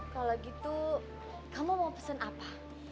kalau gitu kamu mau pesen apa